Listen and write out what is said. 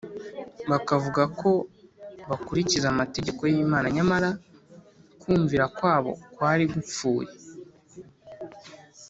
bakavuga ko bakurikiza amategeko y’imana, nyamara kumvira kwabo kwari gupfuye